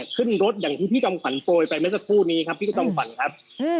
ขึ้นรถอย่างที่พี่จอมขวัญโปรยไปเมื่อสักครู่นี้ครับพี่จอมขวัญครับ